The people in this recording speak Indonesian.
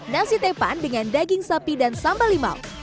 nasi tempan dengan daging sapi dan sambal limau